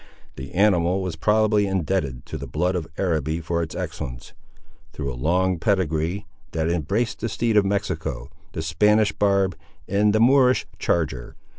The animal was probably indebted to the blood of Araby for its excellence, through a long pedigree, that embraced the steed of Mexico, the Spanish barb, and the Moorish charger.